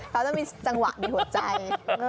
ก็จะมีจังหวะในหัวใจ